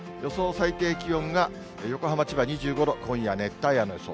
最低気温が、横浜、千葉２５度、今夜熱帯夜の予想。